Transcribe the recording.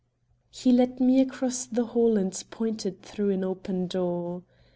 He led me across the hall and pointed through an open door.